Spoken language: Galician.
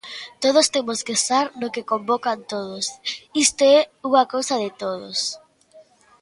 Todos temos que estar no que convocan todos; isto é unha cousa de todos.